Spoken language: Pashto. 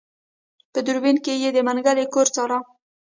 په دوربين کې يې د منګلي کور څاره.